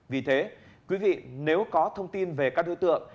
vì thế quý vị nếu có thông tin về các đối tượng